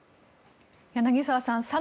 柳澤さん